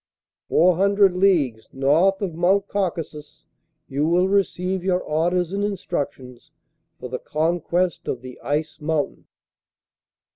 'Four hundred leagues north of Mount Caucasus you will receive your orders and instructions for the conquest of the Ice Mountain.